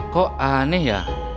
kok aneh ya